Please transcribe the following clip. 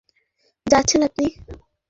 আরে কোথায় যাচ্ছেন আপনি?